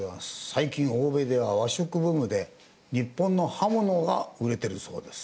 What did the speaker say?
最近欧米では和食ブームで日本の刃物が売れてるそうです。